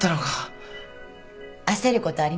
焦ることありませんよ。